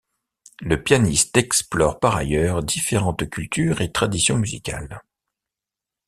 Le pianiste explore par ailleurs différentes cultures et traditions musicales.